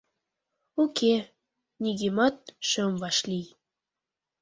Уке, нигӧмат шым вашлий.